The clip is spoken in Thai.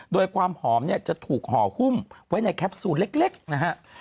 โดยความหอมเนี่ยจะถูกห่อหุ้มไว้ในแคปซูลเล็กนะฮะ